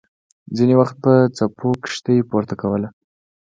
ځینې وخت به څپو کښتۍ پورته کوله.